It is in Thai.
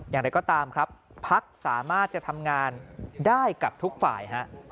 อย่างไรก็ตามครับภักดิ์สามารถจะทำงานได้กับทุกฝ่าย